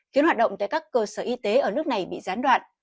khiến hoạt động tại các cơ sở y tế ở nước này bị gián đoạn